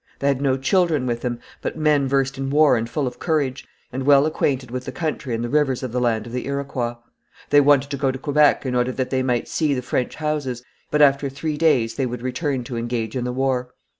They had no children with them but men versed in war and full of courage, and well acquainted with the country and the rivers of the land of the Iroquois. They wanted to go to Quebec in order that they might see the French houses, but after three days they would return to engage in the war.